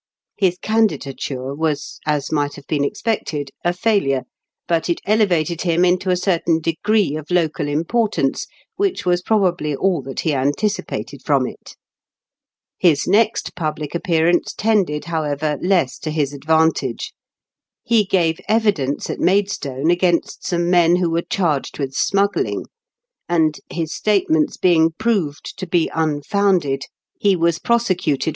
His candidature was, as might have been expected, a failure; but it elevated him into a certain degree of local importance, which was probably all that he anticipated from it. His next public appearance tended, however, less to his advantage. He gave evidence at Maidstone against some men who were charged with smuggling; and, his statements being proved to be unfounded, he was prosecuted 144 IN KENT WITH CHABLE8 DICKENS.